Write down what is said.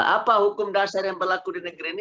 apa hukum dasar yang berlaku di negeri ini